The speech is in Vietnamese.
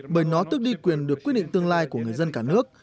bởi nó tức đi quyền được quyết định tương lai của người dân cả nước